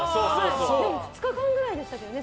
２日間ぐらいでしたけどね。